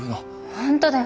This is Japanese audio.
本当だよ